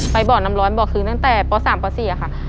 ไปบ่อน้ำร้อนบ่อคลึงตั้งแต่ปสามปสี่อะคะ